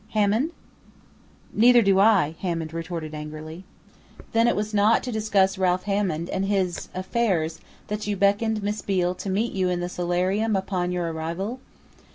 "Hammond?" "Neither do I," Hammond retorted angrily. "Then it was not to discuss Ralph Hammond and his affairs, that you beckoned Miss Beale to meet you in the solarium upon your arrival?"